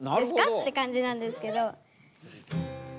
っていう感じなんですけど。